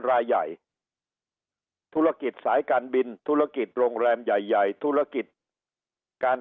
รายใหญ่ธุรกิจสายการบินธุรกิจโรงแรมใหญ่ใหญ่ธุรกิจการ